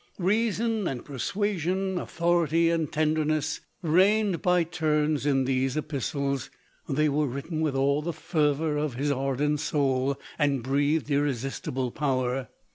Reason and persuasion, authority and tenderness, reigned by turns in these epistles ; they were written with all the fervour of his ardent soul, and breathed irresistible power.